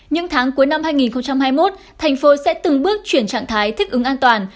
những tháng cuối năm hai nghìn hai mươi một thành phố sẽ từng bước chuyển trạng thái thích ứng an toàn